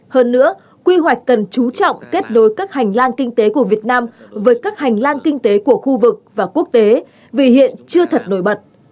hơn nữa quy hoạch cần chú trọng kết nối các hành lang kinh tế của việt nam với các hành lang kinh tế của khu vực và quốc tế vì hiện chưa thật nổi bật